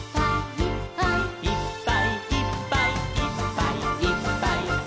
「いっぱいいっぱいいっぱいいっぱい」